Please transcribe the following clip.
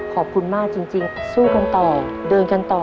ขอบคุณมากจริงสู้กันต่อเดินกันต่อ